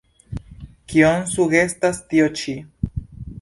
Kion sugestas tio ĉi?